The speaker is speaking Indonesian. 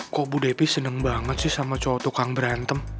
kok bu depi senang banget sih sama cowok tukang berantem